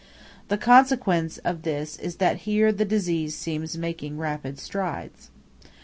The consequence of this is that here the disease seems making rapid strides.